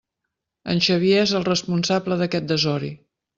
En Xavier és el responsable d'aquest desori!